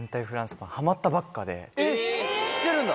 えっ知ってるんだ！